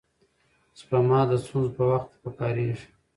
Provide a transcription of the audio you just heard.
سپما د ستونزو په وخت کې پکارېږي.